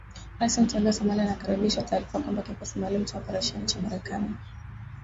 Rais mteule wa Somalia anakaribisha taarifa kwamba, kikosi maalum cha operesheni cha Marekani.